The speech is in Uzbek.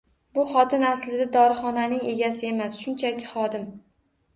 Bu xotin aslida dorixonaning egasi emas, shunchaki xodim